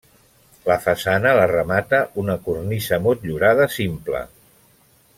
La façana la remata una cornisa motllurada simple.